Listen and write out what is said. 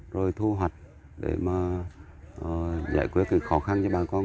rồi thu hoạch để giải quyết khó khăn cho bà con